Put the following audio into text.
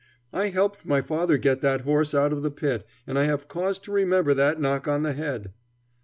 I helped my father get that horse out of the pit, and I have cause to remember that knock on the head."